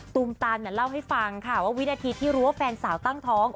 ตันเล่าให้ฟังค่ะว่าวินาทีที่รู้ว่าแฟนสาวตั้งท้อง